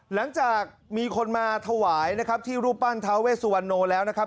หลังจากมีคนมาถวายนะครับที่รูปปั้นท้าเวสุวรรณโนแล้วนะครับ